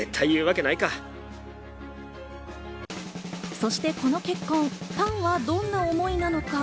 そしてこの結婚、ファンはどんな思いなのか。